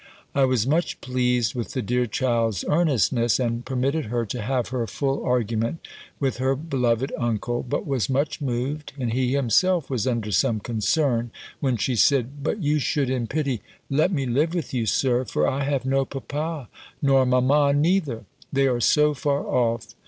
I was much pleased with the dear child's earnestness; and permitted her to have her full argument with her beloved uncle; but was much moved, and he himself was under some concern, when she said, "But you should, in pity, let me live with you, Sir, for I have no papa, nor mamma neither: they are so far off!